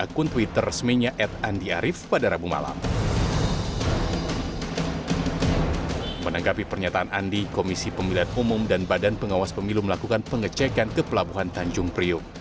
ke pelabuhan tanjung priuk